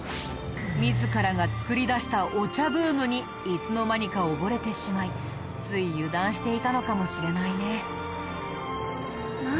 自らが作り出したお茶ブームにいつの間にか溺れてしまいつい油断していたのかもしれないね。